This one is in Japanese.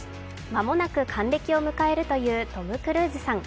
間もなく還暦を迎えるというトム・クルーズさん。